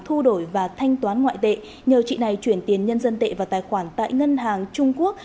thu đổi và thanh toán ngoại tệ nhờ chị này chuyển tiền nhân dân tệ vào tài khoản tại ngân hàng trung quốc